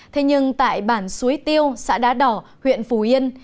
thế nhưng tại bản suối tiêu xã đá đỏ huyện phù yên